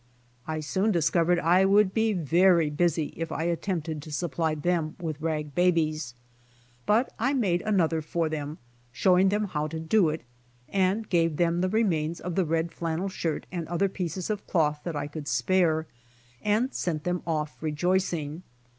I soon discovered I would be very busy if I attentpted to supply them with rag babies. But I made aniother for them, showing them how to do it, gave them the remains of the red flannel shirt and other pieces of cloth that I could spare, and sent them off rejoicing.